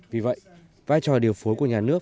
vì vậy vai trò điều phối của nhà nước